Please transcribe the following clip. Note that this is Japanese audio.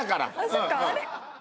そっかあれ？